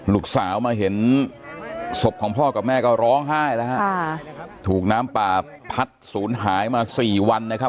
ลูกสาวมาเห็นศพของพ่อกับแม่ก็ร้องไห้แล้วฮะถูกน้ำป่าพัดศูนย์หายมาสี่วันนะครับ